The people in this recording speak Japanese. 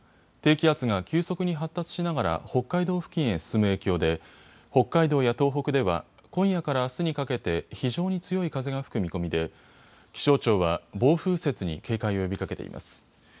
低気圧が急速に発達しながら北海道付近へ進む影響で北海道や東北では今夜からあすにかけて非常に強い風が吹く見込みで気象庁は暴風雪に警戒を呼びかけています。